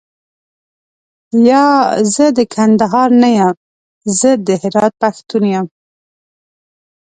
یا، زه د کندهار نه یم زه د هرات پښتون یم.